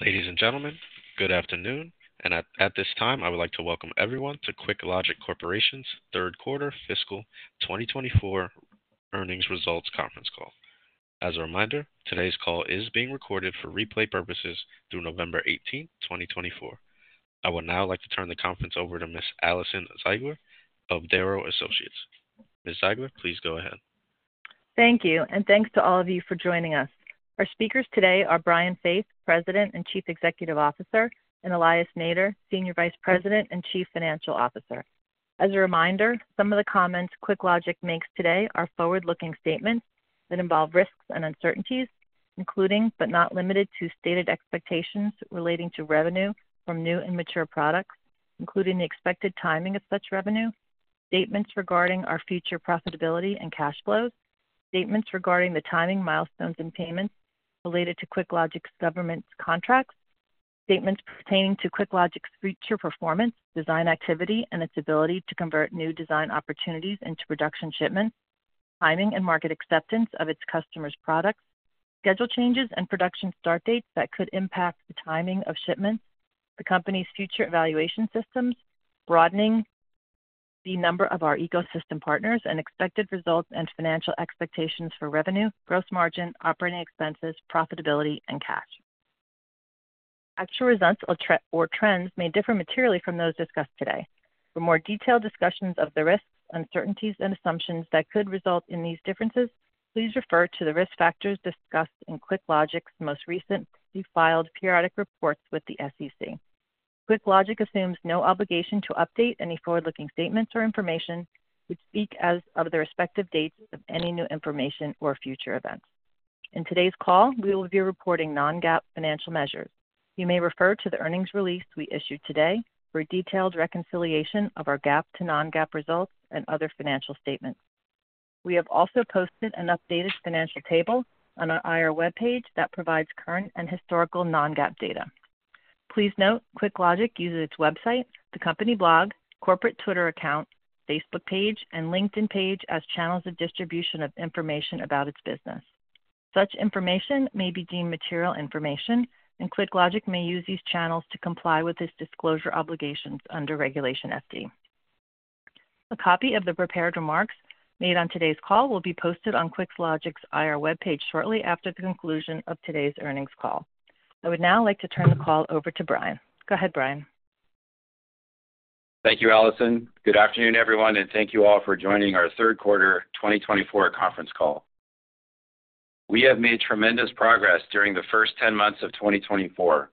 Ladies and gentlemen, good afternoon. And at this time, I would like to welcome everyone to QuickLogic Corporation's Third Quarter Fiscal 2024 Earnings Results Conference Call. As a reminder, today's call is being recorded for replay purposes through November 18, 2024. I would now like to turn the conference over to Ms. Alison Ziegler of Darrow Associates. Ms. Ziegler, please go ahead. Thank you, and thanks to all of you for joining us. Our speakers today are Brian Faith, President and Chief Executive Officer, and Elias Nader, Senior Vice President and Chief Financial Officer. As a reminder, some of the comments QuickLogic makes today are forward-looking statements that involve risks and uncertainties, including but not limited to stated expectations relating to revenue from new and mature products, including the expected timing of such revenue, statements regarding our future profitability and cash flows, statements regarding the timing milestones and payments related to QuickLogic's government contracts, statements pertaining to QuickLogic's future performance, design activity, and its ability to convert new design opportunities into production shipments, timing and market acceptance of its customers' products, schedule changes and production start dates that could impact the timing of shipments, the company's future evaluation systems, broadening the number of our ecosystem partners, and expected results and financial expectations for revenue, gross margin, operating expenses, profitability, and cash. Actual results or trends may differ materially from those discussed today. For more detailed discussions of the risks, uncertainties, and assumptions that could result in these differences, please refer to the risk factors discussed in QuickLogic's most recent filed periodic reports with the SEC. QuickLogic assumes no obligation to update any forward-looking statements or information which speak as of the respective dates of any new information or future events. In today's call, we will be reporting non-GAAP financial measures. You may refer to the earnings release we issued today for detailed reconciliation of our GAAP to non-GAAP results and other financial statements. We have also posted an updated financial table on our IR web page that provides current and historical non-GAAP data. Please note QuickLogic uses its website, the company blog, corporate Twitter account, Facebook page, and LinkedIn page as channels of distribution of information about its business. Such information may be deemed material information, and QuickLogic may use these channels to comply with its disclosure obligations under Regulation FD. A copy of the prepared remarks made on today's call will be posted on QuickLogic's IR web page shortly after the conclusion of today's earnings call. I would now like to turn the call over to Brian. Go ahead, Brian. Thank you, Alison. Good afternoon, everyone, and thank you all for joining our Third Quarter 2024 Conference Call. We have made tremendous progress during the first 10 months of 2024,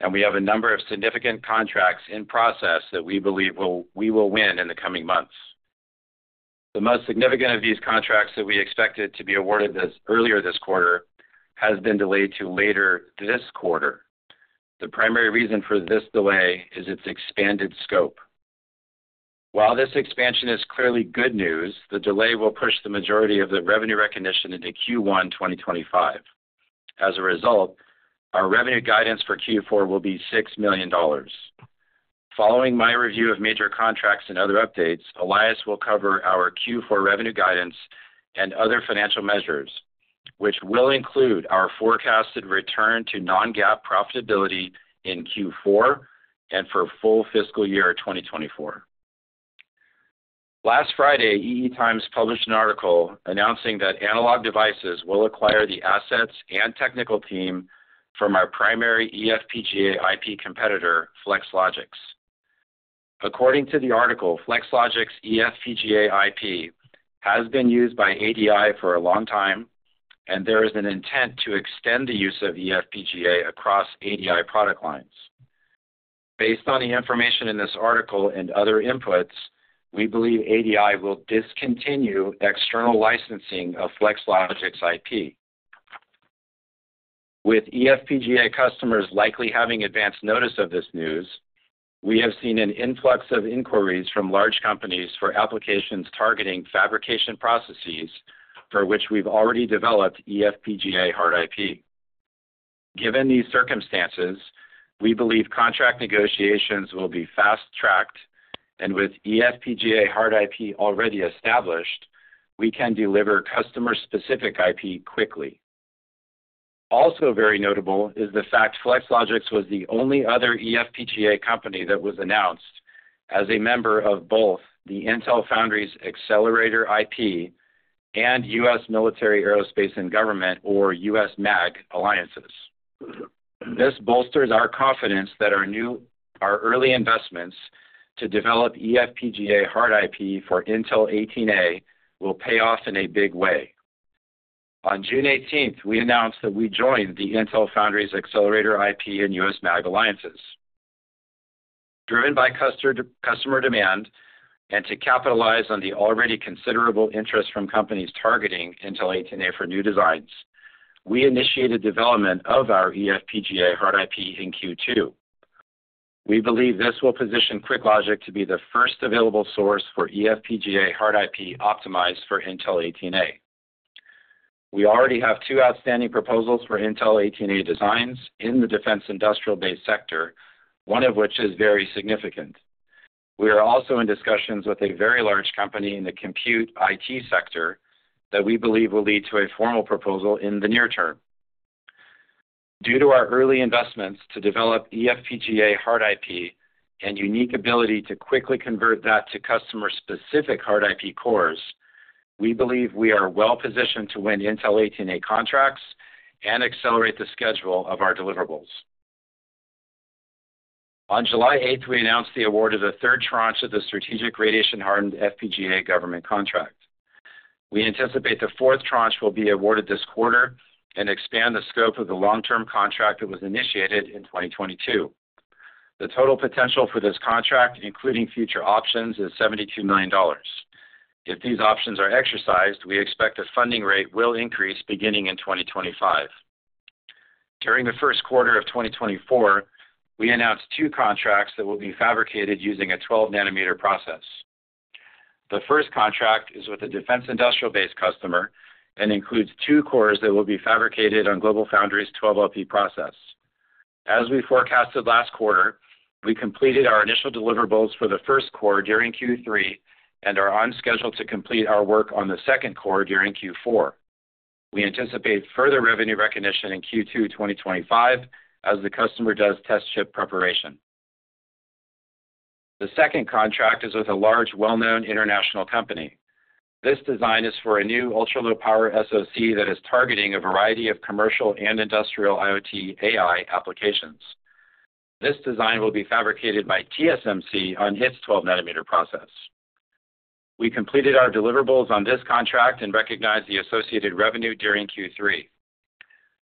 and we have a number of significant contracts in process that we believe we will win in the coming months. The most significant of these contracts that we expected to be awarded earlier this quarter has been delayed to later this quarter. The primary reason for this delay is its expanded scope. While this expansion is clearly good news, the delay will push the majority of the revenue recognition into Q1 2025. As a result, our revenue guidance for Q4 will be $6 million. Following my review of major contracts and other updates, Elias will cover our Q4 revenue guidance and other financial measures, which will include our forecasted return to non-GAAP profitability in Q4 and for full fiscal year 2024. Last Friday, EE Times published an article announcing that Analog Devices will acquire the assets and technical team from our primary eFPGA IP competitor, Flex Logix. According to the article, Flex Logix's eFPGA IP has been used by ADI for a long time, and there is an intent to extend the use of eFPGA across ADI product lines. Based on the information in this article and other inputs, we believe ADI will discontinue external licensing of Flex Logix's IP. With eFPGA customers likely having advanced notice of this news, we have seen an influx of inquiries from large companies for applications targeting fabrication processes for which we've already developed eFPGA hard IP. Given these circumstances, we believe contract negotiations will be fast-tracked, and with eFPGA hard IP already established, we can deliver customer-specific IP quickly. Also very notable is the fact Flex Logix was the only other eFPGA company that was announced as a member of both the Intel Foundry's accelerator IP and U.S. Military Aerospace and Government, or U.S. MAG alliances. This bolsters our confidence that our early investments to develop eFPGA hard IP for Intel 18A will pay off in a big way. On June 18, we announced that we joined the Intel Foundry's accelerator IP and U.S. MAG alliances. Driven by customer demand and to capitalize on the already considerable interest from companies targeting Intel 18A for new designs, we initiated development of our eFPGA hard IP in Q2. We believe this will position QuickLogic to be the first available source for eFPGA hard IP optimized for Intel 18A. We already have two outstanding proposals for Intel 18A designs in the defense industrial base sector, one of which is very significant. We are also in discussions with a very large company in the compute IT sector that we believe will lead to a formal proposal in the near term. Due to our early investments to develop eFPGA hard IP and unique ability to quickly convert that to customer-specific hard IP cores, we believe we are well-positioned to win Intel 18A contracts and accelerate the schedule of our deliverables. On July 8, we announced the award of the third tranche of the Strategic Radiation-Hardened FPGA Government contract. We anticipate the fourth tranche will be awarded this quarter and expand the scope of the long-term contract that was initiated in 2022. The total potential for this contract, including future options, is $72 million. If these options are exercised, we expect the funding rate will increase beginning in 2025. During the first quarter of 2024, we announced two contracts that will be fabricated using a 12-nanometer process. The first contract is with a defense industrial base customer and includes two cores that will be fabricated on GlobalFoundries' 12LP process. As we forecasted last quarter, we completed our initial deliverables for the first core during Q3 and are on schedule to complete our work on the second core during Q4. We anticipate further revenue recognition in Q2 2025 as the customer does test chip preparation. The second contract is with a large, well-known international company. This design is for a new ultra-low-power SoC that is targeting a variety of commercial and industrial IoT AI applications. This design will be fabricated by TSMC on its 12-nanometer process. We completed our deliverables on this contract and recognize the associated revenue during Q3.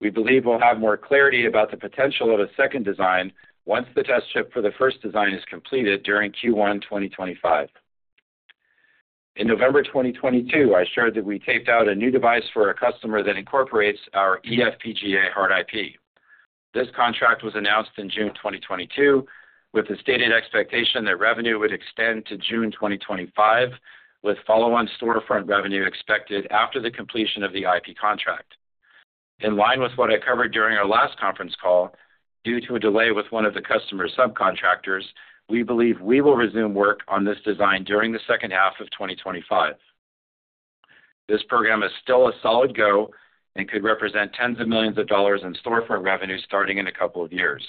We believe we'll have more clarity about the potential of a second design once the test chip for the first design is completed during Q1 2025. In November 2022, I shared that we taped out a new device for a customer that incorporates our eFPGA hard IP. This contract was announced in June 2022 with the stated expectation that revenue would extend to June 2025, with follow-on storefront revenue expected after the completion of the IP contract. In line with what I covered during our last conference call, due to a delay with one of the customer subcontractors, we believe we will resume work on this design during the second half of 2025. This program is still a solid go and could represent tens of millions of dollars in storefront revenue starting in a couple of years.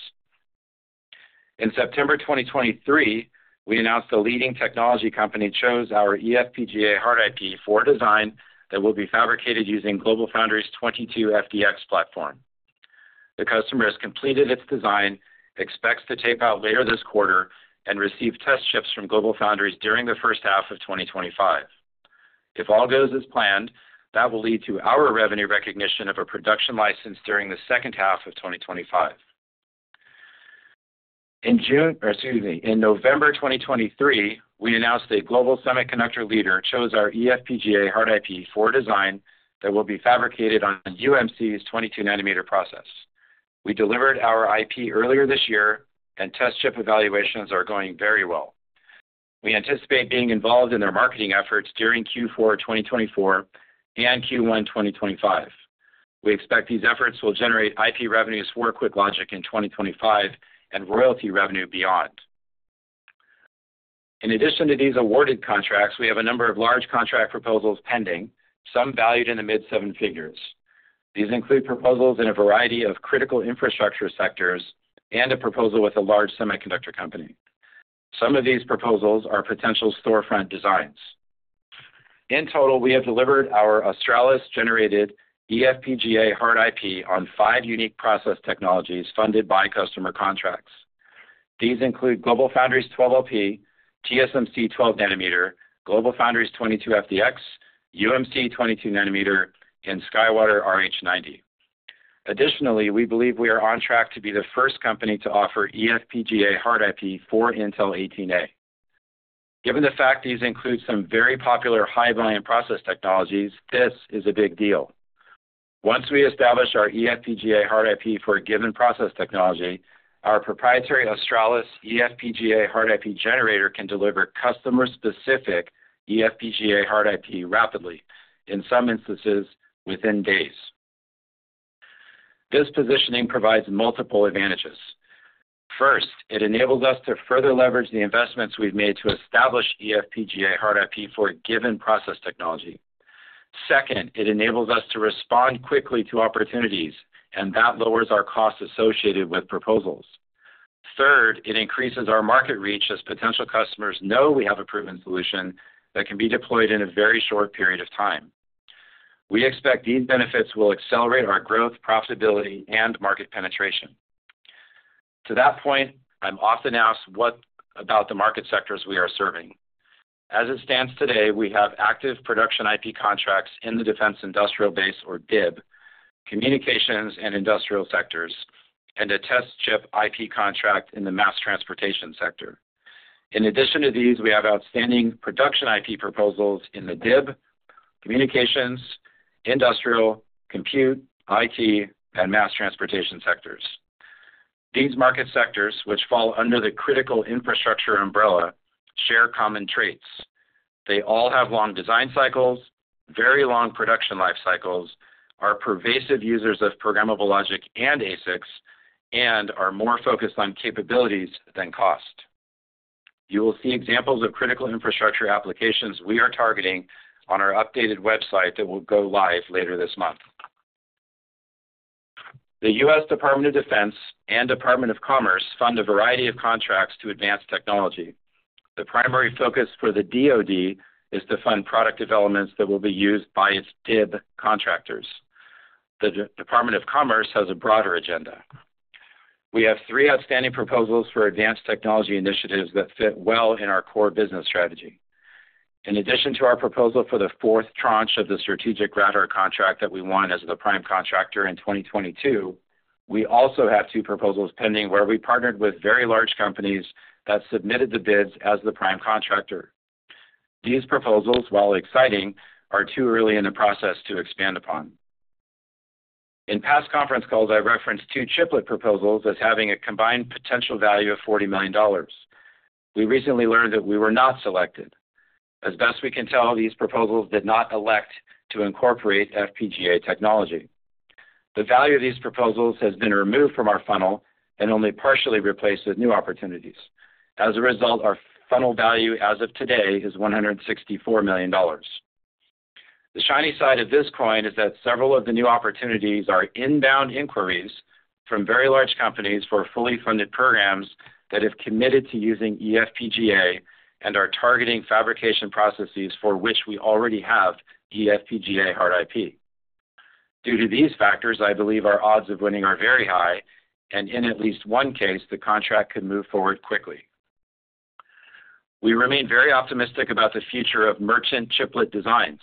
In September 2023, we announced the leading technology company chose our eFPGA hard IP for design that will be fabricated using GlobalFoundries' 22FDX platform. The customer has completed its design, expects to tape out later this quarter, and receive test chips from GlobalFoundries during the first half of 2025. If all goes as planned, that will lead to our revenue recognition of a production license during the second half of 2025. In November 2023, we announced that Global Semiconductor Leader chose our eFPGA hard IP for design that will be fabricated on UMC's 22-nanometer process. We delivered our IP earlier this year, and test chip evaluations are going very well. We anticipate being involved in their marketing efforts during Q4 2024 and Q1 2025. We expect these efforts will generate IP revenues for QuickLogic in 2025 and royalty revenue beyond. In addition to these awarded contracts, we have a number of large contract proposals pending, some valued in the mid-seven figures. These include proposals in a variety of critical infrastructure sectors and a proposal with a large semiconductor company. Some of these proposals are potential storefront designs. In total, we have delivered our Australis-generated eFPGA hard IP on five unique process technologies funded by customer contracts. These include GlobalFoundries' 12LP, TSMC's 12-nanometer, GlobalFoundries' 22FDX, UMC's 22-nanometer, and SkyWater RH90. Additionally, we believe we are on track to be the first company to offer eFPGA hard IP for Intel 18A. Given the fact these include some very popular high-volume process technologies, this is a big deal. Once we establish our eFPGA hard IP for a given process technology, our proprietary Australis eFPGA hard IP generator can deliver customer-specific eFPGA hard IP rapidly, in some instances within days. This positioning provides multiple advantages. First, it enables us to further leverage the investments we've made to establish eFPGA hard IP for a given process technology. Second, it enables us to respond quickly to opportunities, and that lowers our costs associated with proposals. Third, it increases our market reach as potential customers know we have a proven solution that can be deployed in a very short period of time. We expect these benefits will accelerate our growth, profitability, and market penetration. To that point, I'm often asked what about the market sectors we are serving. As it stands today, we have active production IP contracts in the defense industrial base, or DIB, communications and industrial sectors, and a test chip IP contract in the mass transportation sector. In addition to these, we have outstanding production IP proposals in the DIB, communications, industrial, compute, IT, and mass transportation sectors. These market sectors, which fall under the critical infrastructure umbrella, share common traits. They all have long design cycles, very long production life cycles, are pervasive users of programmable logic and ASICs, and are more focused on capabilities than cost. You will see examples of critical infrastructure applications we are targeting on our updated website that will go live later this month. The U.S. Department of Defense and Department of Commerce fund a variety of contracts to advance technology. The primary focus for the DoD is to fund product developments that will be used by its DIB contractors. The Department of Commerce has a broader agenda. We have three outstanding proposals for advanced technology initiatives that fit well in our core business strategy. In addition to our proposal for the fourth tranche of the Strategic Rad-Hard contract that we won as the prime contractor in 2022, we also have two proposals pending where we partnered with very large companies that submitted the bids as the prime contractor. These proposals, while exciting, are too early in the process to expand upon. In past conference calls, I referenced two chiplet proposals as having a combined potential value of $40 million. We recently learned that we were not selected. As best we can tell, these proposals did not elect to incorporate FPGA technology. The value of these proposals has been removed from our funnel and only partially replaced with new opportunities. As a result, our funnel value as of today is $164 million. The shiny side of this coin is that several of the new opportunities are inbound inquiries from very large companies for fully funded programs that have committed to using eFPGA and are targeting fabrication processes for which we already have eFPGA hard IP. Due to these factors, I believe our odds of winning are very high, and in at least one case, the contract could move forward quickly. We remain very optimistic about the future of merchant chiplet designs.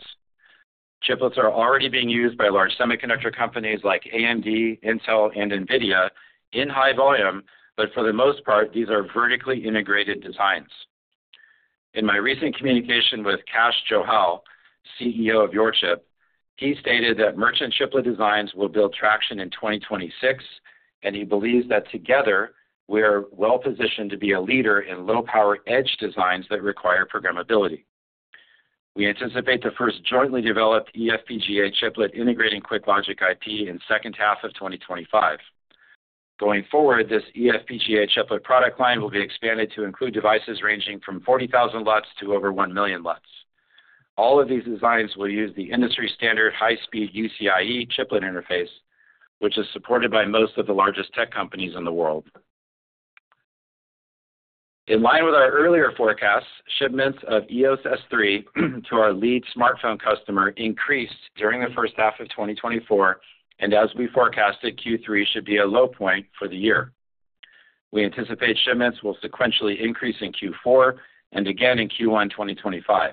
Chiplets are already being used by large semiconductor companies like AMD, Intel, and NVIDIA in high volume, but for the most part, these are vertically integrated designs. In my recent communication with Cash Johal, CEO of YorChip, he stated that merchant chiplet designs will build traction in 2026, and he believes that together, we are well-positioned to be a leader in low-power edge designs that require programmability. We anticipate the first jointly developed eFPGA chiplet integrating QuickLogic IP in the second half of 2025. Going forward, this eFPGA chiplet product line will be expanded to include devices ranging from 40,000 lots to over 1 million lots. All of these designs will use the industry-standard high-speed UCIE chiplet interface, which is supported by most of the largest tech companies in the world. In line with our earlier forecasts, shipments of EOS S3 to our lead smartphone customer increased during the first half of 2024, and as we forecasted, Q3 should be a low point for the year. We anticipate shipments will sequentially increase in Q4 and again in Q1 2025.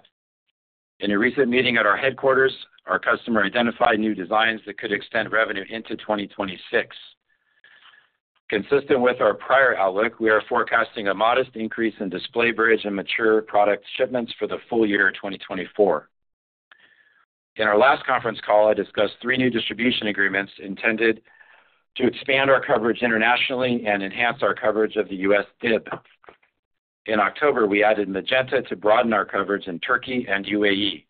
In a recent meeting at our headquarters, our customer identified new designs that could extend revenue into 2026. Consistent with our prior outlook, we are forecasting a modest increase in DisplayBridge and Mature product shipments for the full year 2024. In our last conference call, I discussed three new distribution agreements intended to expand our coverage internationally and enhance our coverage of the U.S. DIB. In October, we added Magenta to broaden our coverage in Turkey and UAE.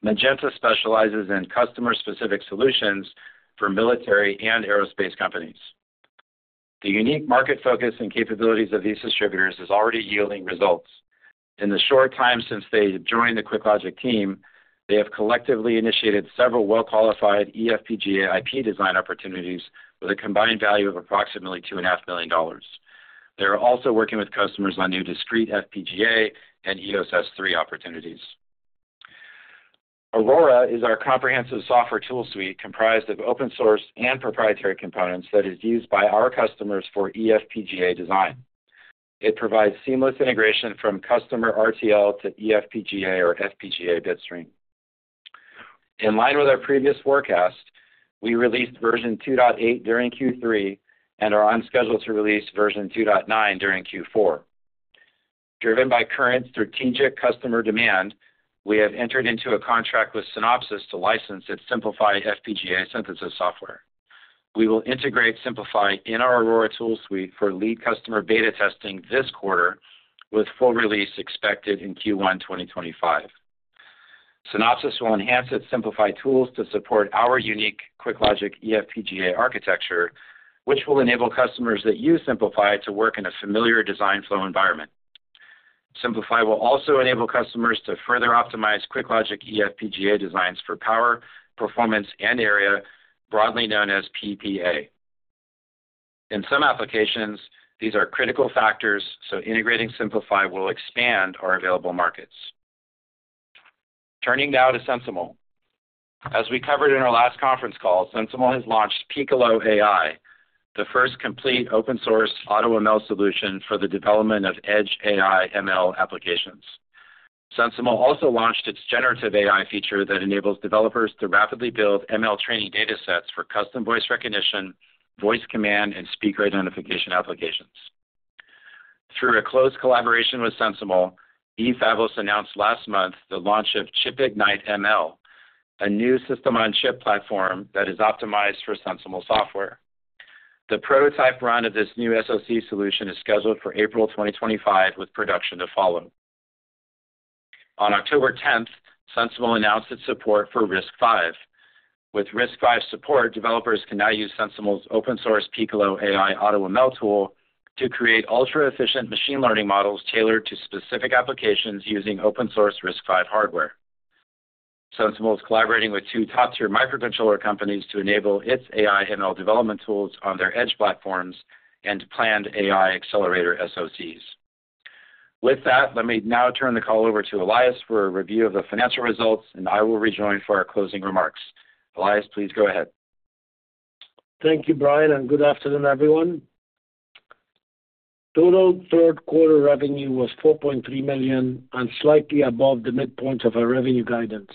Magenta specializes in customer-specific solutions for military and aerospace companies. The unique market focus and capabilities of these distributors are already yielding results. In the short time since they joined the QuickLogic team, they have collectively initiated several well-qualified eFPGA IP design opportunities with a combined value of approximately $2.5 million. They are also working with customers on new discrete FPGA and EOS S3 opportunities. Aurora is our comprehensive software tool suite comprised of open-source and proprietary components that are used by our customers for eFPGA design. It provides seamless integration from customer RTL to eFPGA or FPGA bitstream. In line with our previous forecast, we released version 2.8 during Q3 and are on schedule to release version 2.9 during Q4. Driven by current strategic customer demand, we have entered into a contract with Synopsys to license its Synplify FPGA synthesis software. We will integrate Synplify in our Aurora tool suite for lead customer beta testing this quarter, with full release expected in Q1 2025. Synopsys will enhance its Synplify tools to support our unique QuickLogic eFPGA architecture, which will enable customers that use Synplify to work in a familiar design flow environment. Synplify will also enable customers to further optimize QuickLogic eFPGA designs for power, performance, and area, broadly known as PPA. In some applications, these are critical factors, so integrating Synplify will expand our available markets. Turning now to SensiML. As we covered in our last conference call, SensiML has launched Piccolo AI, the first complete open-source AutoML solution for the development of edge AI/ML applications. SensiML also launched its generative AI feature that enables developers to rapidly build ML training datasets for custom voice recognition, voice command, and speaker identification applications. Through a close collaboration with SensiML, Efabless announced last month the launch of ChipIgnite ML, a new system-on-chip platform that is optimized for SensiML software. The prototype run of this new SoC solution is scheduled for April 2025, with production to follow. On October 10th, SensiML announced its support for RISC-V. With RISC-V support, developers can now use SensiML's open-source Piccolo AI AutoML tool to create ultra-efficient machine learning models tailored to specific applications using open-source RISC-V hardware. SensiML is collaborating with two top-tier microcontroller companies to enable its AI/ML development tools on their edge platforms and planned AI accelerator SoCs. With that, let me now turn the call over to Elias for a review of the financial results, and I will rejoin for our closing remarks. Elias, please go ahead. Thank you, Brian, and good afternoon, everyone. Total third-quarter revenue was $4.3 million and slightly above the midpoint of our revenue guidance.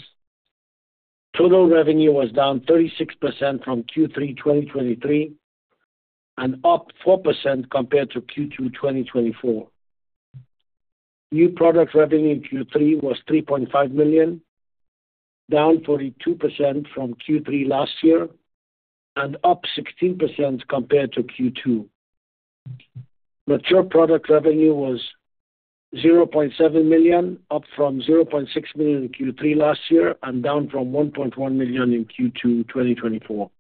Total revenue was down 36% from Q3 2023 and up 4% compared to Q2 2024. New product revenue in Q3 was $3.5 million, down 42% from Q3 last year and up 16% compared to Q2. Mature product revenue was $0.7 million, up from $0.6 million in Q3 last year and down from $1.1 million in Q2 2024.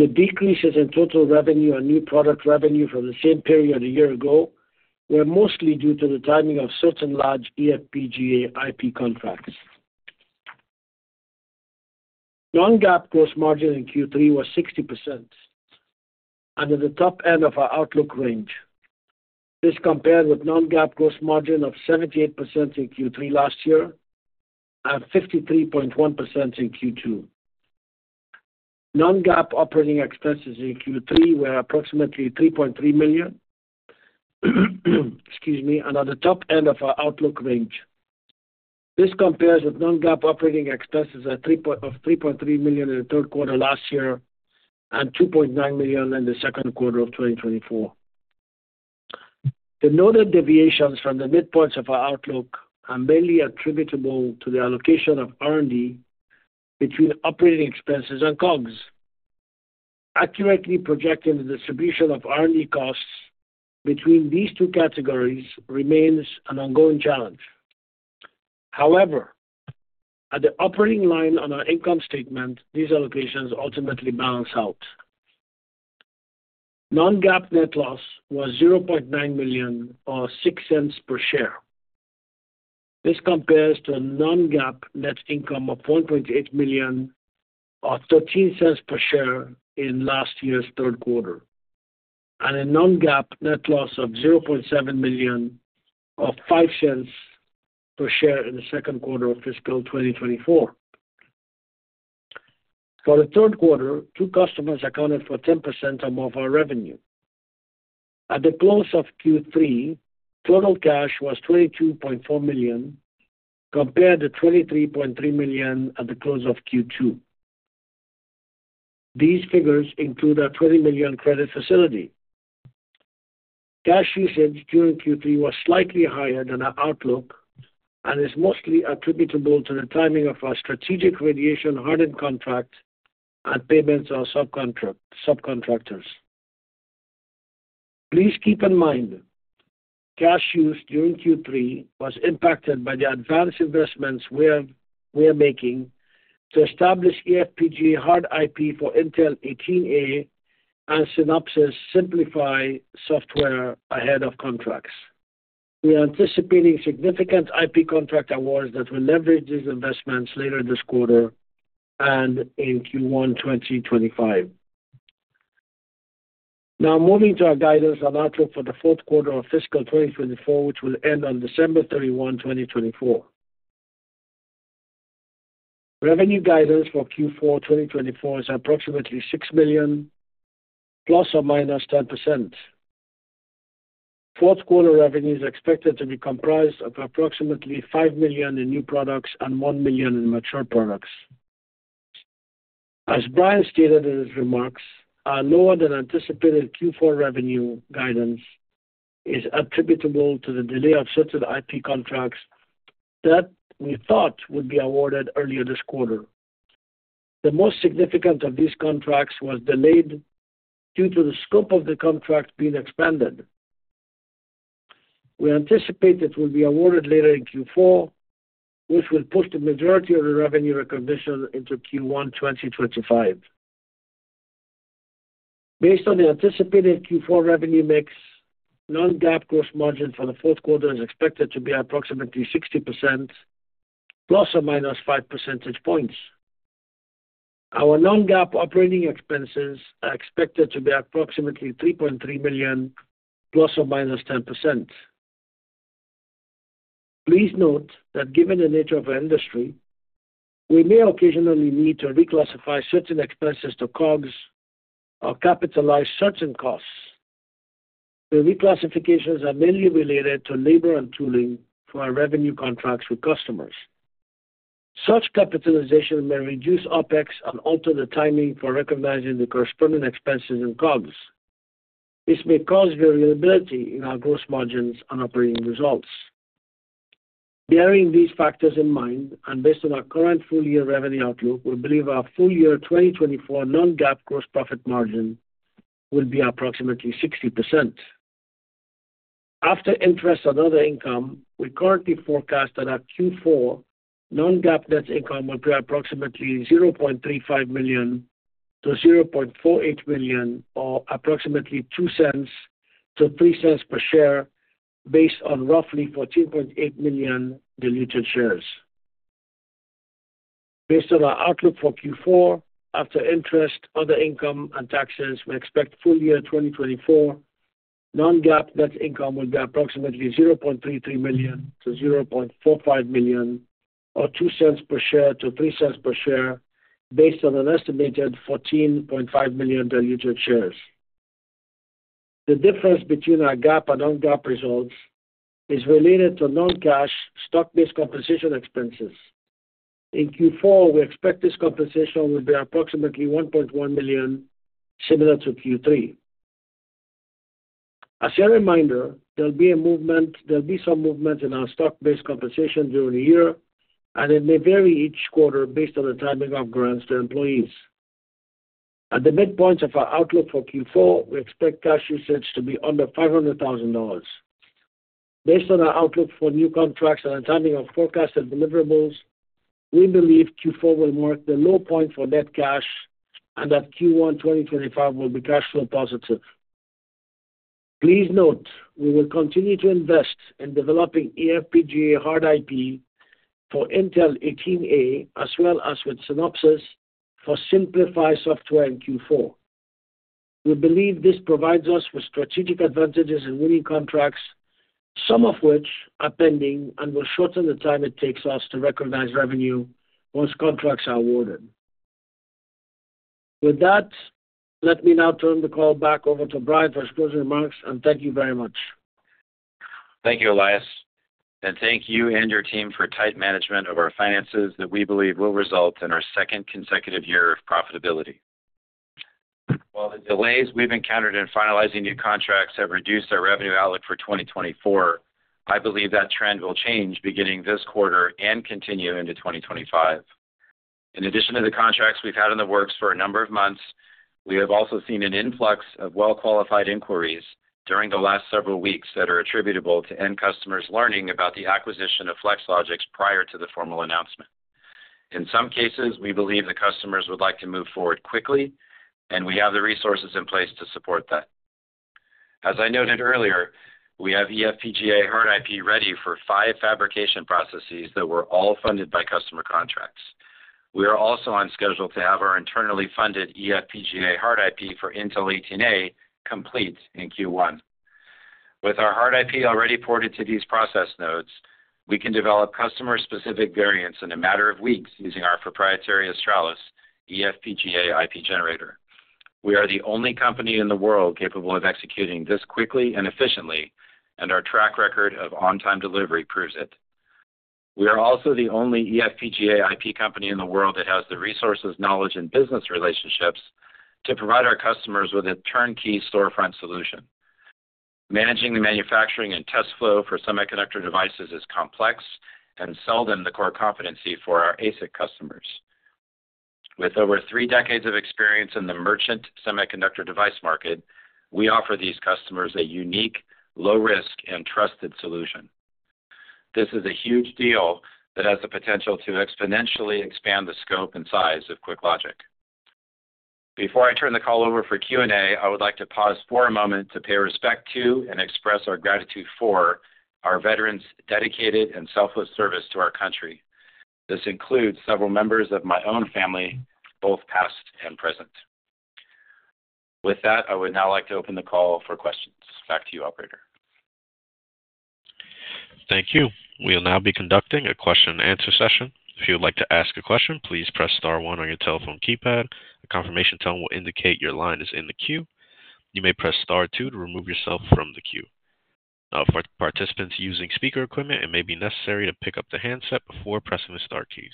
The decreases in total revenue and new product revenue for the same period a year ago were mostly due to the timing of certain large eFPGA IP contracts. Non-GAAP gross margin in Q3 was 60%, under the top end of our outlook range. This compared with non-GAAP gross margin of 78% in Q3 last year and 53.1% in Q2. Non-GAAP operating expenses in Q3 were approximately $3.3 million and on the top end of our outlook range. This compares with non-GAAP operating expenses of $3.3 million in the third quarter last year and $2.9 million in the second quarter of 2024. The noted deviations from the midpoints of our outlook are mainly attributable to the allocation of R&D between operating expenses and COGS. Accurately projecting the distribution of R&D costs between these two categories remains an ongoing challenge. However, at the operating line on our income statement, these allocations ultimately balance out. Non-GAAP net loss was $0.9 million or 6 cents per share. This compares to a non-GAAP net income of $1.8 million or 13 cents per share in last year's third quarter, and a non-GAAP net loss of $0.7 million or 5 cents per share in the second quarter of fiscal 2024. For the third quarter, two customers accounted for 10% of our revenue. At the close of Q3, total cash was $22.4 million, compared to $23.3 million at the close of Q2. These figures include our $20 million credit facility. Cash usage during Q3 was slightly higher than our outlook and is mostly attributable to the timing of our strategic radiation hardened contract and payments of subcontractors. Please keep in mind, cash used during Q3 was impacted by the advanced investments we are making to establish eFPGA hard IP for Intel 18A and Synopsys Synplify software ahead of contracts. We are anticipating significant IP contract awards that will leverage these investments later this quarter and in Q1 2025. Now, moving to our guidance on outlook for the fourth quarter of fiscal 2024, which will end on December 31, 2024. Revenue guidance for Q4 2024 is approximately $6 million, plus or minus 10%. Fourth quarter revenue is expected to be comprised of approximately $5 million in new products and $1 million in mature products. As Brian stated in his remarks, our lower-than-anticipated Q4 revenue guidance is attributable to the delay of certain IP contracts that we thought would be awarded earlier this quarter. The most significant of these contracts was delayed due to the scope of the contract being expanded. We anticipate it will be awarded later in Q4, which will push the majority of the revenue recognition into Q1 2025. Based on the anticipated Q4 revenue mix, Non-GAAP gross margin for the fourth quarter is expected to be approximately 60%, plus or minus 5 percentage points. Our Non-GAAP operating expenses are expected to be approximately $3.3 million, plus or minus 10%. Please note that given the nature of our industry, we may occasionally need to reclassify certain expenses to COGS or capitalize certain costs. The reclassifications are mainly related to labor and tooling for our revenue contracts with customers. Such capitalization may reduce OPEX and alter the timing for recognizing the corresponding expenses and COGS. This may cause variability in our gross margins and operating results. Bearing these factors in mind, and based on our current full-year revenue outlook, we believe our full-year 2024 non-GAAP gross profit margin will be approximately 60%. After interest and other income, we currently forecast that our Q4 non-GAAP net income will be approximately $0.35 million-$0.48 million or approximately $0.02-$0.03 per share, based on roughly 14.8 million diluted shares. Based on our outlook for Q4, after interest, other income, and taxes, we expect full-year 2024 non-GAAP net income will be approximately $0.33 million-$0.45 million or $0.02-$0.03 per share, based on an estimated 14.5 million diluted shares. The difference between our GAAP and non-GAAP results is related to non-cash stock-based compensation expenses. In Q4, we expect this compensation will be approximately $1.1 million, similar to Q3. As a reminder, there will be some movements in our stock-based compensation during the year, and it may vary each quarter based on the timing of grants to employees. At the midpoint of our outlook for Q4, we expect cash usage to be under $500,000. Based on our outlook for new contracts and the timing of forecasted deliverables, we believe Q4 will mark the low point for net cash, and that Q1 2025 will be cash flow positive. Please note, we will continue to invest in developing eFPGA hard IP for Intel 18A, as well as with Synopsys for Synplify software in Q4. We believe this provides us with strategic advantages in winning contracts, some of which are pending and will shorten the time it takes us to recognize revenue once contracts are awarded. With that, let me now turn the call back over to Brian for his closing remarks, and thank you very much. Thank you, Elias, and thank you and your team for tight management of our finances that we believe will result in our second consecutive year of profitability. While the delays we've encountered in finalizing new contracts have reduced our revenue outlook for 2024, I believe that trend will change beginning this quarter and continue into 2025. In addition to the contracts we've had in the works for a number of months, we have also seen an influx of well-qualified inquiries during the last several weeks that are attributable to end customers learning about the acquisition of Flex Logix prior to the formal announcement. In some cases, we believe the customers would like to move forward quickly, and we have the resources in place to support that. As I noted earlier, we have eFPGA hard IP ready for five fabrication processes that were all funded by customer contracts. We are also on schedule to have our internally funded eFPGA hard IP for Intel 18A complete in Q1. With our hard IP already ported to these process nodes, we can develop customer-specific variants in a matter of weeks using our proprietary Australis eFPGA IP generator. We are the only company in the world capable of executing this quickly and efficiently, and our track record of on-time delivery proves it. We are also the only eFPGA IP company in the world that has the resources, knowledge, and business relationships to provide our customers with a turnkey storefront solution. Managing the manufacturing and test flow for semiconductor devices is complex and seldom the core competency for our ASIC customers. With over three decades of experience in the merchant semiconductor device market, we offer these customers a unique, low-risk, and trusted solution. This is a huge deal that has the potential to exponentially expand the scope and size of QuickLogic. Before I turn the call over for Q&A, I would like to pause for a moment to pay respect to and express our gratitude for our veterans' dedicated and selfless service to our country. This includes several members of my own family, both past and present. With that, I would now like to open the call for questions. Back to you, Operator. Thank you. We will now be conducting a question-and-answer session. If you would like to ask a question, please press star one on your telephone keypad. A confirmation tone will indicate your line is in the queue. You may press star two to remove yourself from the queue. For participants using speaker equipment, it may be necessary to pick up the handset before pressing the Star keys.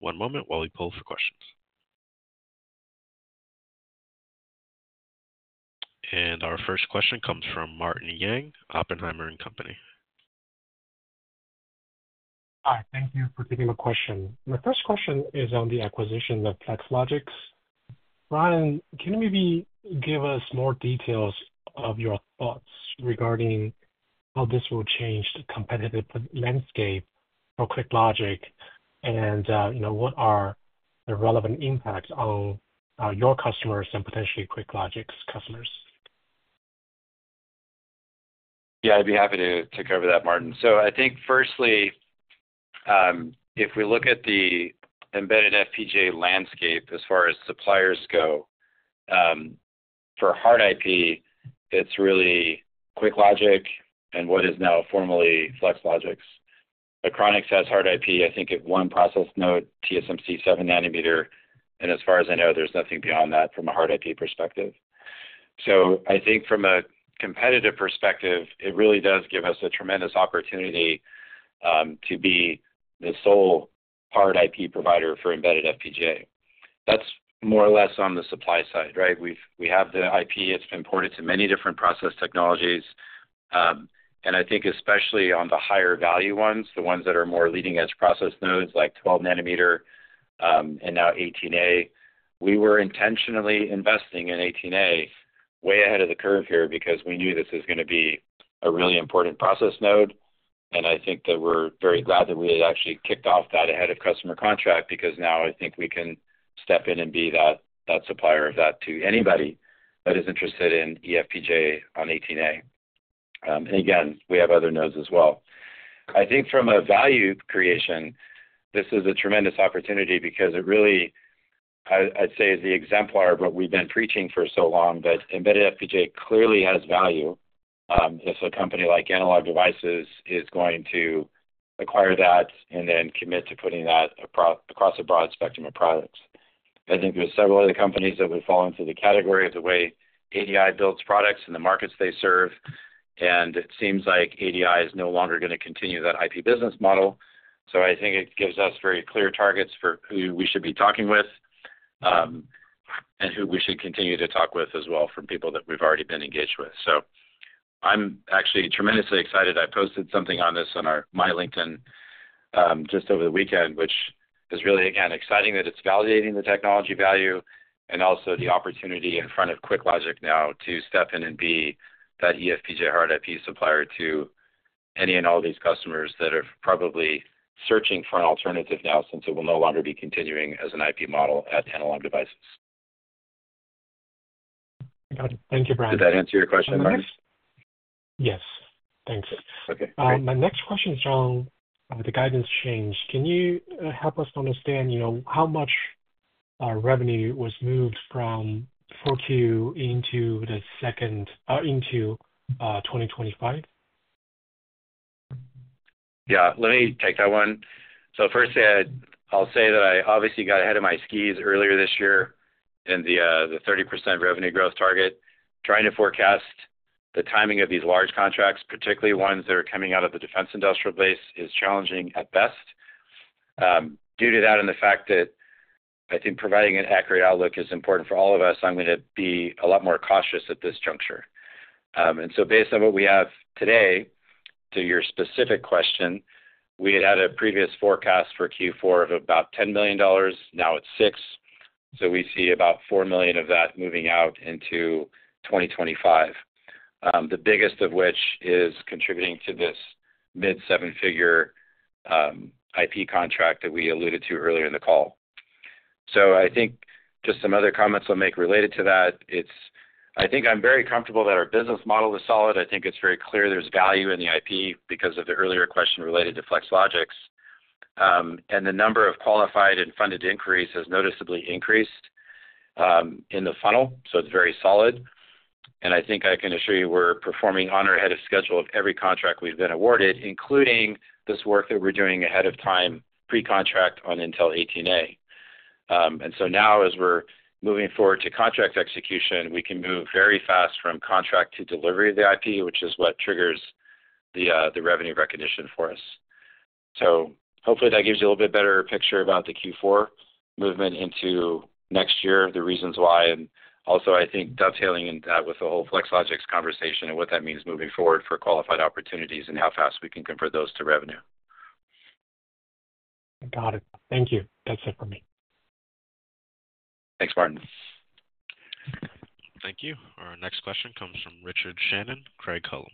One moment while we pull for questions, and our first question comes from Martin Yang, Oppenheimer & Co mpany. Hi, thank you for taking the question. My first question is on the acquisition of FlexLogix. Brian, can you maybe give us more details of your thoughts regarding how this will change the competitive landscape for QuickLogic and what are the relevant impacts on your customers and potentially QuickLogic's customers? Yeah, I'd be happy to cover that, Martin. So I think, firstly, if we look at the embedded FPGA landscape as far as suppliers go, for hard IP, it's really QuickLogic and what is now formerly FlexLogix. Achronix has hard IP, I think, at one process node, TSMC 7-nanometer, and as far as I know, there's nothing beyond that from a hard IP perspective. So I think from a competitive perspective, it really does give us a tremendous opportunity to be the sole hard IP provider for embedded FPGA. That's more or less on the supply side, right? We have the IP that's been ported to many different process technologies, and I think especially on the higher-value ones, the ones that are more leading-edge process nodes like 12-nanometer and now 18A. We were intentionally investing in 18A way ahead of the curve here because we knew this was going to be a really important process node, and I think that we're very glad that we had actually kicked off that ahead of customer contract because now I think we can step in and be that supplier of that to anybody that is interested in eFPGA on 18A, and again, we have other nodes as well. I think from a value creation, this is a tremendous opportunity because it really, I'd say, is the exemplar of what we've been preaching for so long that embedded FPGA clearly has value if a company like Analog Devices is going to acquire that and then commit to putting that across a broad spectrum of products. I think there are several other companies that would fall into the category of the way ADI builds products and the markets they serve, and it seems like ADI is no longer going to continue that IP business model. So I think it gives us very clear targets for who we should be talking with and who we should continue to talk with as well from people that we've already been engaged with. So I'm actually tremendously excited. I posted something on this on my LinkedIn just over the weekend, which is really, again, exciting that it's validating the technology value and also the opportunity in front of QuickLogic now to step in and be that eFPGA hard IP supplier to any and all these customers that are probably searching for an alternative now since it will no longer be continuing as an IP model at Analog Devices. Got it. Thank you, Brian. Did that answer your question, Brian? Yes. Thanks. My next question is on the guidance change. Can you help us understand how much revenue was moved from Q4 into Q2 2025? Yeah. Let me take that one. So first, I'll say that I obviously got ahead of my skis earlier this year in the 30% revenue growth target. Trying to forecast the timing of these large contracts, particularly ones that are coming out of the Defense Industrial Base, is challenging at best. Due to that and the fact that I think providing an accurate outlook is important for all of us, I'm going to be a lot more cautious at this juncture. And so based on what we have today, to your specific question, we had had a previous forecast for Q4 of about $10 million. Now it's $6 million. So we see about 4 million of that moving out into 2025, the biggest of which is contributing to this mid-seven-figure IP contract that we alluded to earlier in the call. So I think just some other comments I'll make related to that. I think I'm very comfortable that our business model is solid. I think it's very clear there's value in the IP because of the earlier question related to Flex Logix. And the number of qualified and funded inquiries has noticeably increased in the funnel, so it's very solid. And I think I can assure you we're performing on our ahead of schedule of every contract we've been awarded, including this work that we're doing ahead of time, pre-contract on Intel 18A. And so now, as we're moving forward to contract execution, we can move very fast from contract to delivery of the IP, which is what triggers the revenue recognition for us. So hopefully, that gives you a little bit better picture about the Q4 movement into next year, the reasons why, and also, I think, dovetailing in that with the whole Flex Logix conversation and what that means moving forward for qualified opportunities and how fast we can convert those to revenue. Got it. Thank you. That's it for me. Thanks, Martin. Thank you. Our next question comes from Richard Shannon, Craig-Hallum.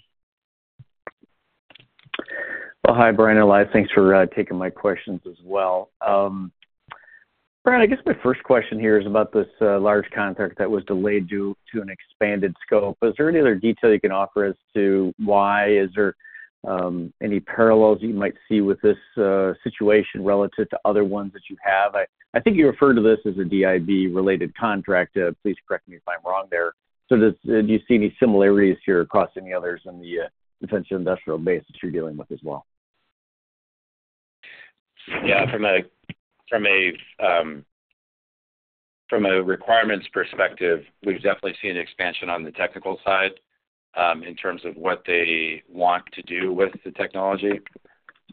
Well, hi, Brian, Elias. Thanks for taking my questions as well. Brian, I guess my first question here is about this large contract that was delayed due to an expanded scope. Is there any other detail you can offer as to why? Is there any parallels you might see with this situation relative to other ones that you have? I think you referred to this as a DIB-related contract. Please correct me if I'm wrong there. So do you see any similarities here across any others in the defense industrial base that you're dealing with as well? Yeah. From a requirements perspective, we've definitely seen expansion on the technical side in terms of what they want to do with the technology.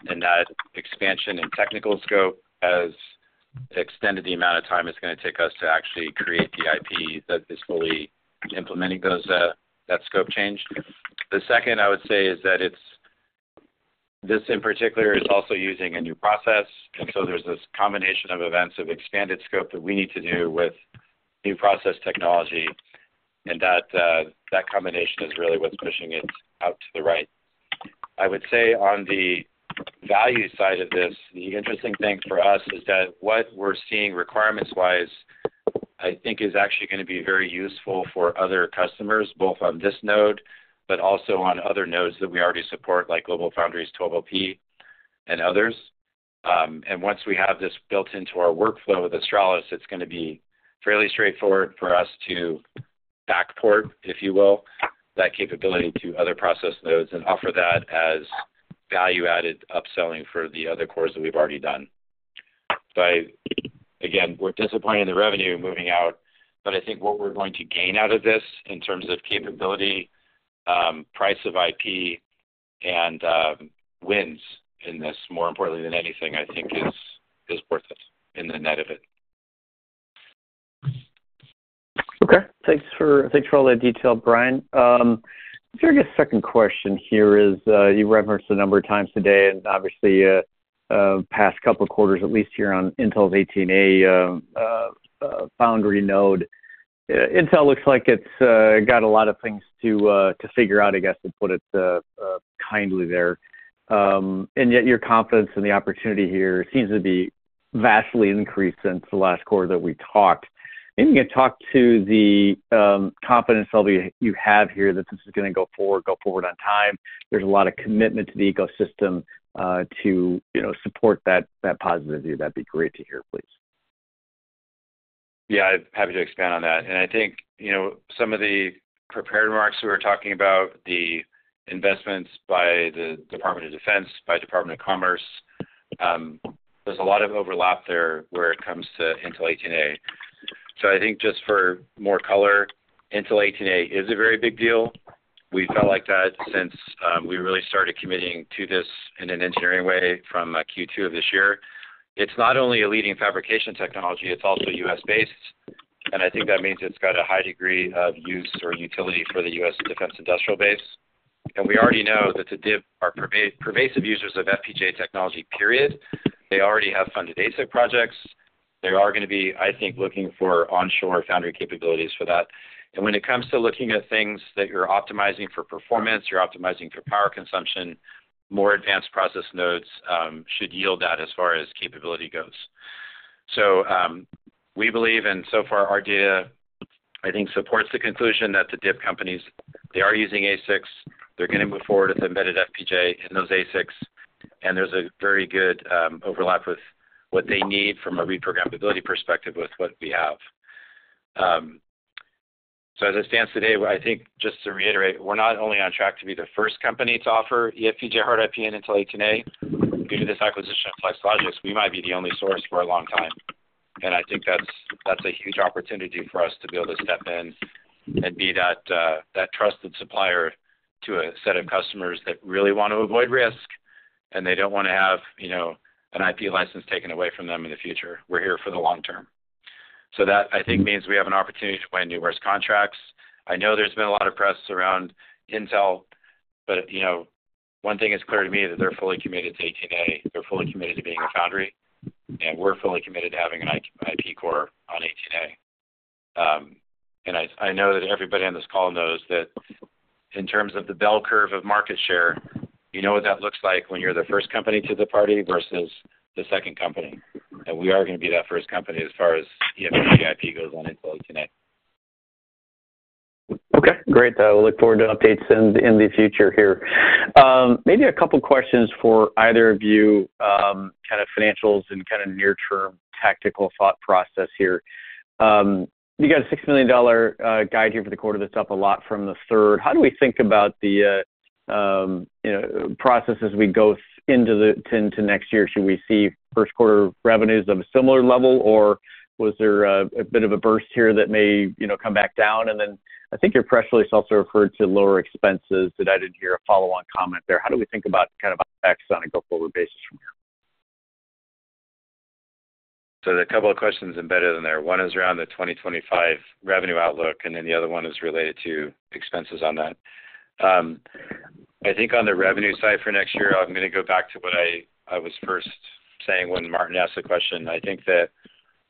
And that expansion in technical scope has extended the amount of time it's going to take us to actually create the IP that is fully implementing that scope change. The second, I would say, is that this, in particular, is also using a new process. And so there's this combination of events of expanded scope that we need to do with new process technology, and that combination is really what's pushing it out to the right. I would say on the value side of this, the interesting thing for us is that what we're seeing requirements-wise, I think, is actually going to be very useful for other customers, both on this node but also on other nodes that we already support, like GlobalFoundries, TSMC, and others. And once we have this built into our workflow with Australis, it's going to be fairly straightforward for us to backport, if you will, that capability to other process nodes and offer that as value-added upselling for the other cores that we've already done. But again, we're disappointed in the revenue moving out, but I think what we're going to gain out of this in terms of capability, price of IP, and wins in this, more importantly than anything, I think, is worth it in the net of it. Okay. Thanks for all that detail, Brian. I guess second question here is you referenced a number of times today and obviously the past couple of quarters, at least here on Intel's 18A foundry node. Intel looks like it's got a lot of things to figure out, I guess, to put it kindly there. And yet your confidence in the opportunity here seems to be vastly increased since the last quarter that we talked. Maybe you can talk to the confidence level you have here that this is going to go forward on time. There's a lot of commitment to the ecosystem to support that positive view. That'd be great to hear, please. Yeah. I'm happy to expand on that. I think some of the prepared remarks we were talking about, the investments by the Department of Defense, by Department of Commerce, there's a lot of overlap there when it comes to Intel 18A. So I think just for more color, Intel 18A is a very big deal. We felt like that since we really started committing to this in an engineering way from Q2 of this year. It's not only a leading fabrication technology. It's also U.S.-based. I think that means it's got a high degree of use or utility for the U.S. defense industrial base. We already know that the DIB are pervasive users of FPGA technology. They already have funded ASIC projects. They are going to be, I think, looking for onshore foundry capabilities for that. And when it comes to looking at things that you're optimizing for performance, you're optimizing for power consumption, more advanced process nodes should yield that as far as capability goes. So we believe, and so far, our data, I think, supports the conclusion that the DIB companies, they are using ASICs. They're going to move forward with embedded FPGA in those ASICs. And there's a very good overlap with what they need from a reprogrammability perspective with what we have. So as it stands today, I think just to reiterate, we're not only on track to be the first company to offer eFPGA hard IP in Intel 18A. Due to this acquisition of Flex Logix, we might be the only source for a long time. I think that's a huge opportunity for us to be able to step in and be that trusted supplier to a set of customers that really want to avoid risk, and they don't want to have an IP license taken away from them in the future. We're here for the long term. So that, I think, means we have an opportunity to win numerous contracts. I know there's been a lot of press around Intel, but one thing is clear to me that they're fully committed to 18A. They're fully committed to being a foundry, and we're fully committed to having an IP core on 18A. I know that everybody on this call knows that in terms of the bell curve of market share, you know what that looks like when you're the first company to the party versus the second company. And we are going to be that first company as far as eFPGA IP goes on Intel 18A. Okay. Great. We'll look forward to updates in the future here. Maybe a couple of questions for either of you, kind of financials and kind of near-term tactical thought process here. You got a $6 million guide here for the quarter. That's up a lot from the third. How do we think about the process as we go into next year? Should we see first quarter revenues of a similar level, or was there a bit of a burst here that may come back down? And then I think your press release also referred to lower expenses. Did I hear a follow-on comment there? How do we think about kind of effects on a go-forward basis from here? So there are a couple of questions embedded in there. One is around the 2025 revenue outlook, and then the other one is related to expenses on that. I think on the revenue side for next year, I'm going to go back to what I was first saying when Martin asked the question. I think that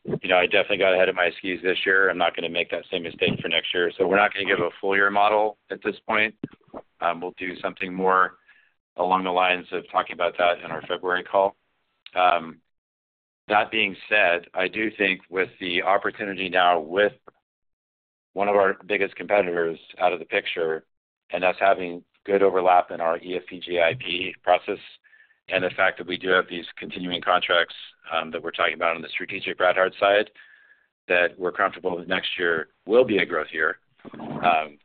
I definitely got ahead of my skis this year. I'm not going to make that same mistake for next year. So we're not going to give a full year model at this point. We'll do something more along the lines of talking about that in our February call. That being said, I do think with the opportunity now with one of our biggest competitors out of the picture, and us having good overlap in our eFPGA IP process, and the fact that we do have these continuing contracts that we're talking about on the strategic BlackHart side, that we're comfortable that next year will be a growth year.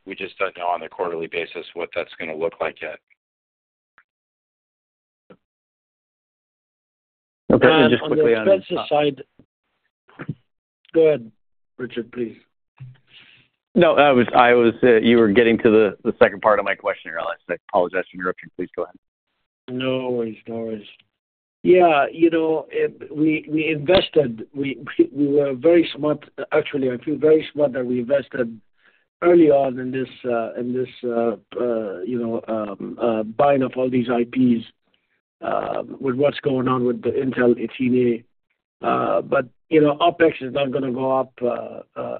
We just don't know on a quarterly basis what that's going to look like yet. Okay. And just quickly on the defense side. Go ahead, Richard, please. No, I was saying you were getting to the second part of my question here. I apologize for interrupting. Please go ahead. No worries. No worries. Yeah. We invested. We were very smart. Actually, I feel very smart that we invested early on in this buying of all these IPs with what's going on with the Intel 18A. But OpEx is not going to go up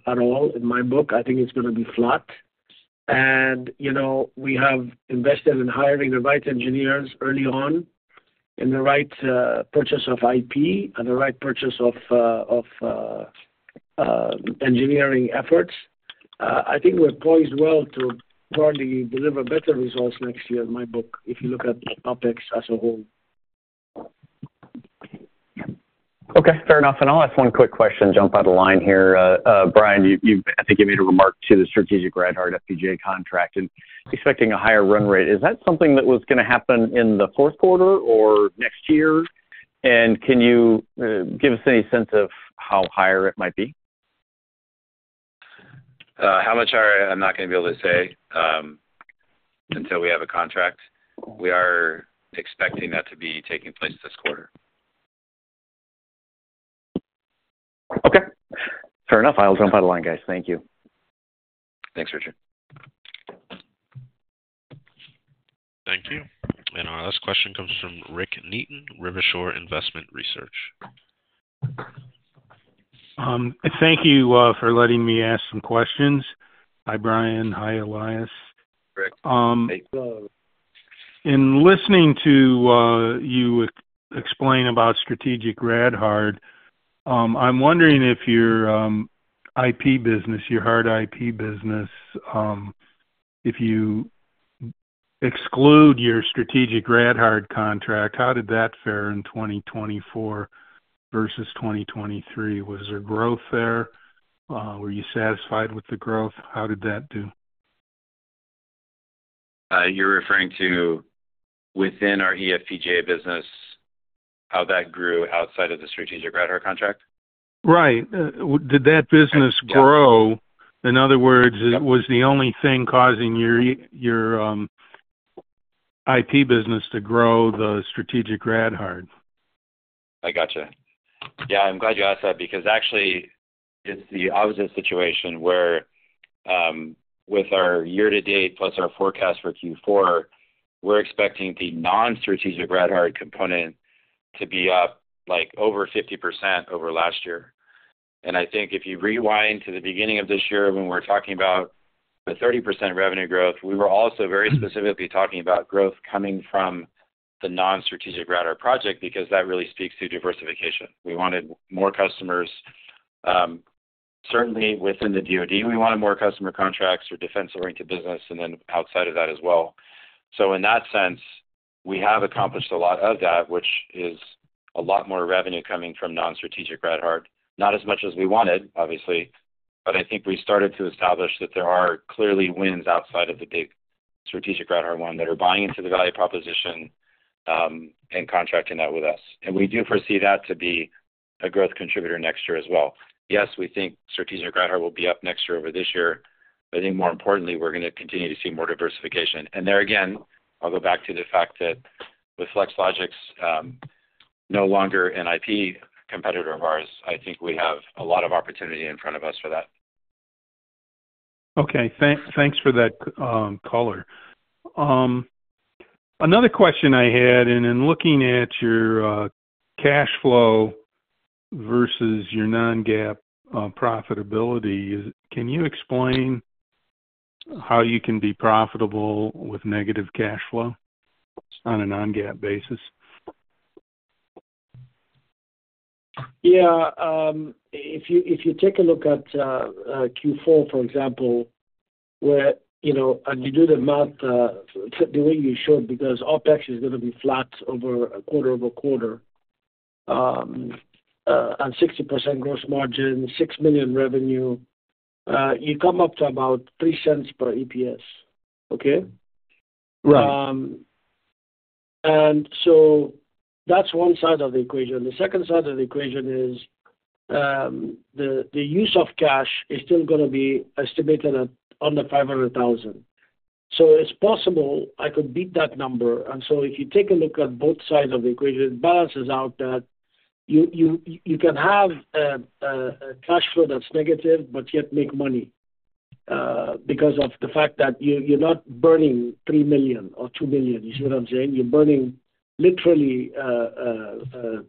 at all in my book. I think it's going to be flat. And we have invested in hiring the right engineers early on, in the right purchase of IP, and the right purchase of engineering efforts. I think we're poised well to probably deliver better results next year in my book if you look at OpEx as a whole. Okay. Fair enough. And I'll ask one quick question, jump out of line here. Brian, I think you made a remark to the strategic Bradhart FPGA contract and expecting a higher run rate. Is that something that was going to happen in the fourth quarter or next year? And can you give us any sense of how higher it might be? How much higher, I'm not going to be able to say until we have a contract. We are expecting that to be taking place this quarter. Okay. Fair enough. I'll jump out of line, guys. Thank you. Thanks, Richard. Thank you. And our last question comes from Rick Neaton, Rivershore Investment Research. Thank you for letting me ask some questions. Hi, Brian. Hi, Elias. Rick. Hey. Hello. In listening to you explain about strategic DoD, I'm wondering if your IP business, your hard IP business, if you exclude your strategic DoD contract, how did that fare in 2024 versus 2023? Was there growth there? Were you satisfied with the growth? How did that do? You're referring to within our eFPGA business, how that grew outside of the strategic DoD contract? Right. Did that business grow? In other words, was the only thing causing your IP business to grow, the strategic DoD? I gotcha. Yeah. I'm glad you asked that because actually, it's the opposite situation where with our year-to-date plus our forecast for Q4, we're expecting the non-strategic breadth component to be up over 50% over last year, and I think if you rewind to the beginning of this year when we're talking about the 30% revenue growth, we were also very specifically talking about growth coming from the non-strategic breadth project because that really speaks to diversification. We wanted more customers. Certainly, within the DoD, we wanted more customer contracts for defense-oriented business and then outside of that as well, so in that sense, we have accomplished a lot of that, which is a lot more revenue coming from non-strategic breadth. Not as much as we wanted, obviously, but I think we started to establish that there are clearly wins outside of the big strategic Bradhart one that are buying into the value proposition and contracting that with us. And we do foresee that to be a growth contributor next year as well. Yes, we think strategic Bradhart will be up next year over this year. But I think more importantly, we're going to continue to see more diversification. And there again, I'll go back to the fact that with FlexLogix, no longer an IP competitor of ours, I think we have a lot of opportunity in front of us for that. Okay. Thanks for that color. Another question I had, and in looking at your cash flow versus your non-GAAP profitability, can you explain how you can be profitable with negative cash flow on a non-GAAP basis? Yeah. If you take a look at Q4, for example, and you do the math the way you showed because OpEx is going to be flat over a quarter over quarter on 60% gross margin, $6 million revenue, you come up to about $0.03 per EPS. Okay? Right. And so that's one side of the equation. The second side of the equation is the use of cash is still going to be estimated under $500,000. So it's possible I could beat that number. And so if you take a look at both sides of the equation, it balances out that you can have a cash flow that's negative but yet make money because of the fact that you're not burning $3 million or $2 million. You see what I'm saying? You're burning literally $0.005.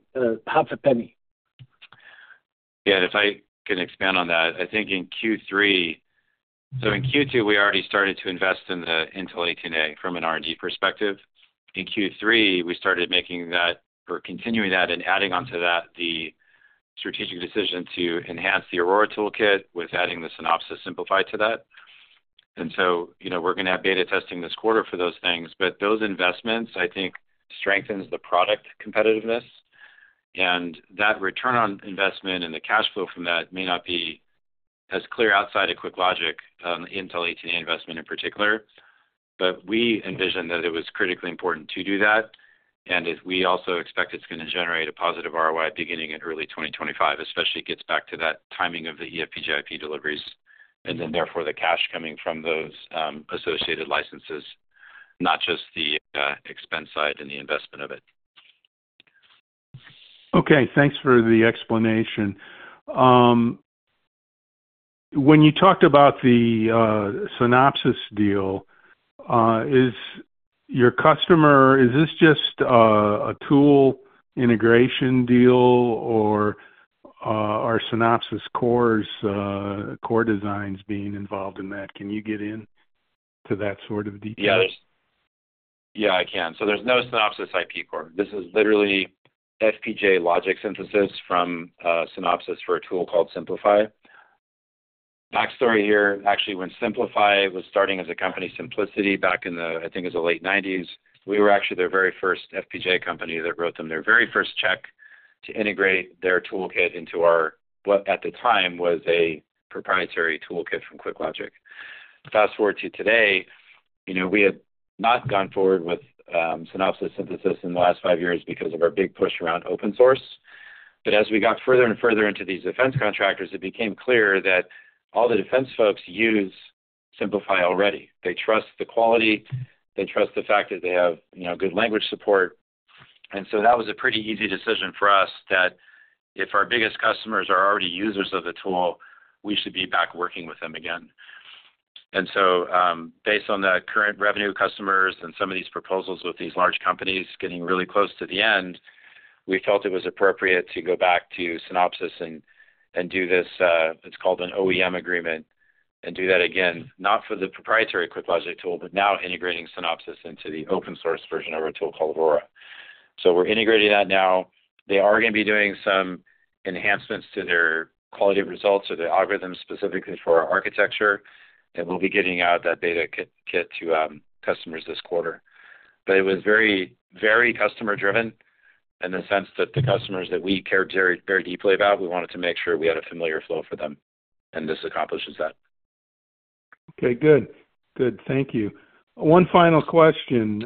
Yeah. If I can expand on that, I think in Q3 so in Q2, we already started to invest in the Intel 18A from an R&D perspective. In Q3, we started making that or continuing that and adding onto that the strategic decision to enhance the Aurora toolkit with adding the Synopsys Synplify to that. And so we're going to have beta testing this quarter for those things. But those investments, I think, strengthen the product competitiveness. And that return on investment and the cash flow from that may not be as clear outside of QuickLogic, Intel 18A investment in particular. But we envision that it was critically important to do that. We also expect it's going to generate a positive ROI beginning in early 2025, especially it gets back to that timing of the eFPGA IP deliveries, and then therefore the cash coming from those associated licenses, not just the expense side and the investment of it. Okay. Thanks for the explanation. When you talked about the Synopsys deal, is your customer is this just a tool integration deal, or are Synopsys core designs being involved in that? Can you get into that sort of detail? Yes. Yeah, I can. So there's no Synopsys IP core. This is literally FPGA logic synthesis from Synopsys for a tool called Synplify. Backstory here, actually, when Synplicity was starting as a company, back in the, I think, it was the late 1990s, we were actually their very first FPGA company that wrote them their very first check to integrate their toolkit into our what at the time was a proprietary toolkit from QuickLogic. Fast forward to today, we have not gone forward with Synopsys synthesis in the last five years because of our big push around open source. But as we got further and further into these defense contractors, it became clear that all the defense folks use Synplicity already. They trust the quality. They trust the fact that they have good language support. And so that was a pretty easy decision for us that if our biggest customers are already users of the tool, we should be back working with them again. And so based on the current revenue customers and some of these proposals with these large companies getting really close to the end, we felt it was appropriate to go back to Synopsys and do this, it's called an OEM agreement, and do that again, not for the proprietary QuickLogic tool, but now integrating Synopsys into the open source version of our tool called Aurora. So we're integrating that now. They are going to be doing some enhancements to their quality of results or the algorithms specifically for our architecture. And we'll be getting out that beta kit to customers this quarter. But it was very, very customer-driven in the sense that the customers that we cared very deeply about, we wanted to make sure we had a familiar flow for them. And this accomplishes that. Okay. Good. Good. Thank you. One final question.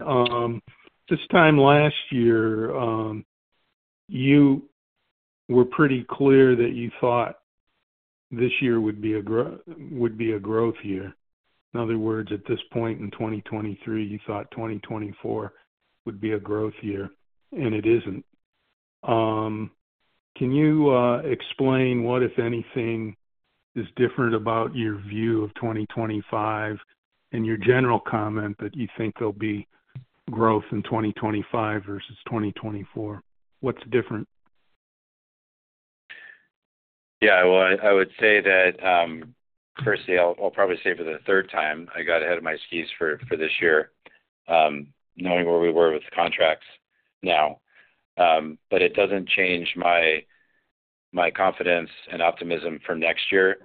This time last year, you were pretty clear that you thought this year would be a growth year. In other words, at this point in 2023, you thought 2024 would be a growth year, and it isn't. Can you explain what, if anything, is different about your view of 2025 and your general comment that you think there'll be growth in 2025 versus 2024? What's different? Yeah. Well, I would say that, firstly, I'll probably say for the third time, I got ahead of my skis for this year, knowing where we were with contracts now. But it doesn't change my confidence and optimism for next year,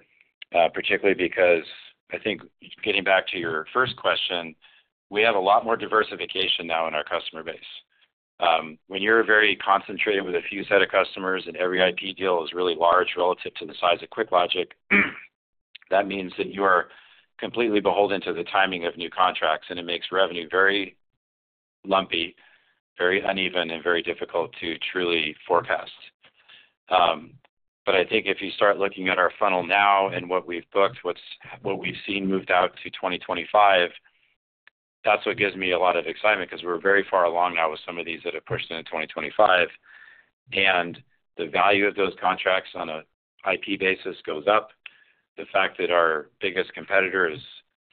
particularly because I think getting back to your first question, we have a lot more diversification now in our customer base. When you're very concentrated with a few set of customers and every IP deal is really large relative to the size of QuickLogic, that means that you are completely beholden to the timing of new contracts, and it makes revenue very lumpy, very uneven, and very difficult to truly forecast. But I think if you start looking at our funnel now and what we've booked, what we've seen moved out to 2025, that's what gives me a lot of excitement because we're very far along now with some of these that have pushed into 2025. And the value of those contracts on an IP basis goes up. The fact that our biggest competitor is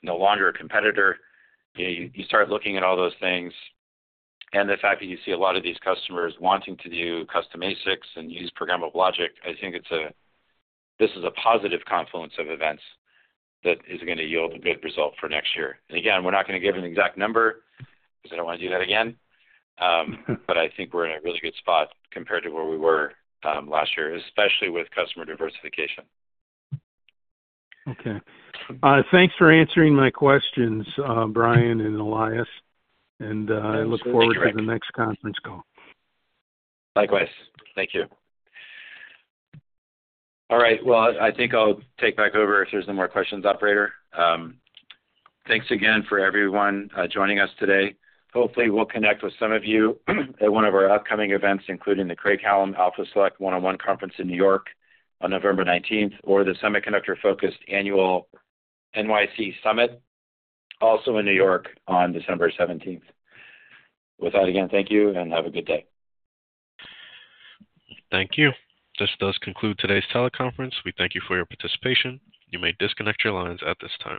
no longer a competitor. You start looking at all those things. And the fact that you see a lot of these customers wanting to do custom ASICs and use programmable logic, I think this is a positive confluence of events that is going to yield a good result for next year. And again, we're not going to give an exact number because I don't want to do that again. But I think we're in a really good spot compared to where we were last year, especially with customer diversification. Okay. Thanks for answering my questions, Brian and Elias. And I look forward to the next conference call. Likewise. Thank you. All right. Well, I think I'll take back over if there's no more questions, operator. Thanks again for everyone joining us today. Hopefully, we'll connect with some of you at one of our upcoming events, including the Craig-Hallum Alpha Select one-on-one conference in New York on November 19th, or the semiconductor-focused annual NYC Summit, also in New York on December 17th. With that, again, thank you and have a good day. Thank you. This does conclude today's teleconference. We thank you for your participation. You may disconnect your lines at this time.